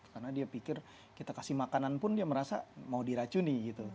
karena dia pikir kita kasih makanan pun dia merasa mau diracuni